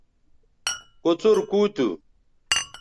کوڅر کُو تھو